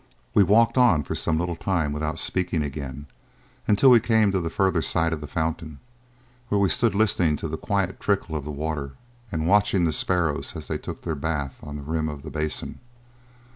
We walked on for some little time without speaking again until we came to the further side of the fountain, where we stood listening to the quiet trickle of the water, and watching the sparrows as they took their bath on the rim of the basin.